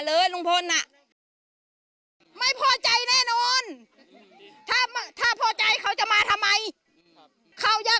ก็อยู่ด้วยกันมากกกไม่คิดว่าเขาจะไปปากรูปตีหลังกาแบบนี้นะถ้าอยากอยู่กันต่อไปก็ให้ออกมาวันนี้เลยในนิดนึงนะครับ